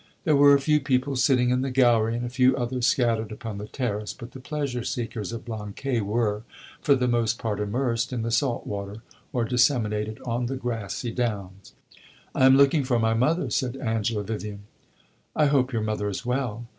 There were a few people sitting in the gallery, and a few others scattered upon the terrace; but the pleasure seekers of Blanquais were, for the most part, immersed in the salt water or disseminated on the grassy downs. "I am looking for my mother," said Angela Vivian. "I hope your mother is well."